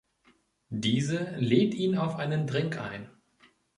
Diese lädt ihn auf einen Drink ein.